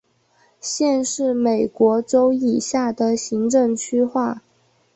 县是美国州以下的行政区划。